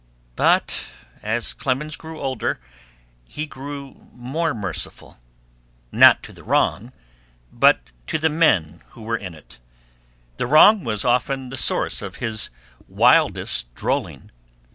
But as Clemens grew older he grew more merciful, not to the wrong, but to the men who were in it. The wrong was often the source of his wildest drolling.